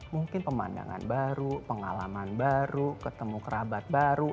mungkin pemandangan baru pengalaman baru ketemu kerabat baru